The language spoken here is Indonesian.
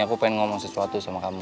aku pengen ngomong sesuatu sama kami